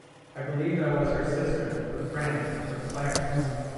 I believed I was her sister, her friend, her Claire.